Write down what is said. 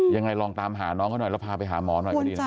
ยังไงลองตามหาน้องเขาหน่อยแล้วพาไปหาหมอหน่อยก็ดีนะ